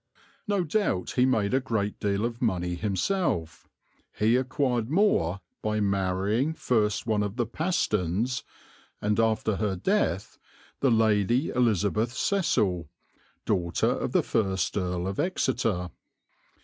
No doubt he made a great deal of money himself; he acquired more by marrying first one of the Pastons, and after her death, the Lady Elizabeth Cecil, daughter of the first Earl of Exeter.